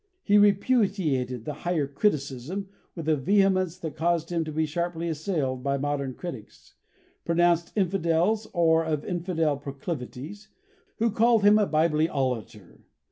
He repudiated the "higher criticism" with a vehemence that caused him to be sharply assailed by modern critics pronounced infidels or of infidel proclivities who called him a "bibliolater."